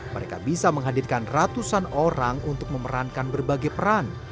mereka bisa menghadirkan ratusan orang untuk memerankan berbagai peran